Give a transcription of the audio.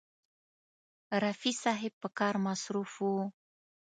رفیع صاحب په کار مصروف و.